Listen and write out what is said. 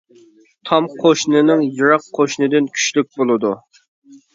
تام قوشنىنىڭ يىراق قوشنىدىن كۈچلۈك بولىدۇ.